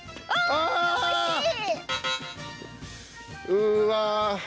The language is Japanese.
うわ。